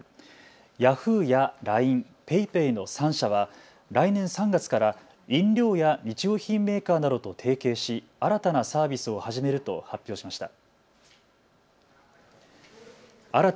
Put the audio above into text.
ヤフーやＬＩＮＥ、ＰａｙＰａｙの３社は来年３月から飲料や日用品メーカーなどと提携し新たなサービスを始めると発表しました。